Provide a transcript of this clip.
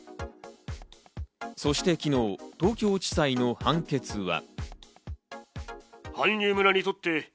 そして昨日、東京地裁の判決は。